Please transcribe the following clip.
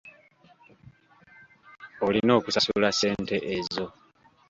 Olina okusasula ssente ezo.